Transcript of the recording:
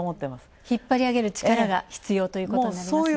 引っ張りあげる力が必要ということになりますね。